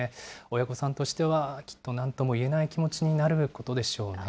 親御さんとしては、きっとなんとも言えない気持ちになることでしょうね。